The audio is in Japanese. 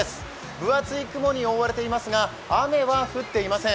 分厚い雲に覆われていますが雨は降っていません。